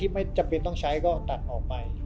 ไม่จำเป็นต้องใช้ก็ตัดออกไป